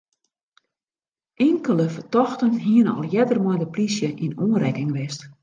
Inkelde fertochten hiene al earder mei de plysje yn oanrekking west.